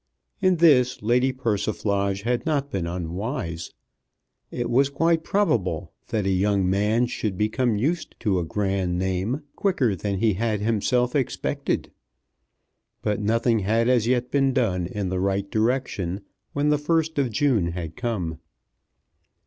In this Lady Persiflage had not been unwise. It was quite probable that a young man should become used to a grand name quicker than he had himself expected. But nothing had as yet been done in the right direction when the 1st of June had come.